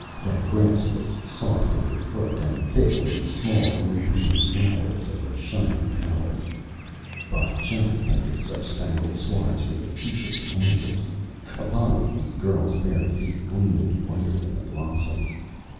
That grass was soft under foot, and thick with small, low blooming flowers of a shining pallor. Botticelli painted such spangled swards for the feet of his angels. Upon it the girl's bare feet gleamed whiter than the blossoms.